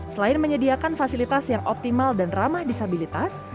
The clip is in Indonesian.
selain menyediakan fasilitas yang optimal dan ramah disabilitas